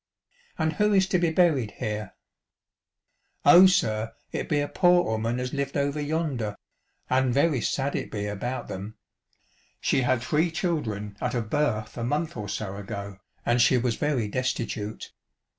" And who is to be buried here ?"" Oh, sir, it be a poor 'ooman as lived over yonder, and very sad it be about them. She had three children at a birth a month or so ago, and she was very destitute.